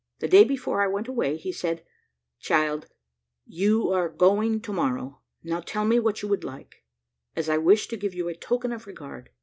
The day before I went away he said, "Child, you are going to morrow; now tell me what you would like, as I wish to give you a token of regard.